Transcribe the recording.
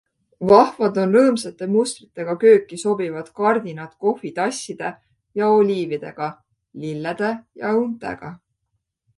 Vahvad on rõõmsate mustritega kööki sobivad kardinad kohvitasside ja oliividega, lillede ja õuntega.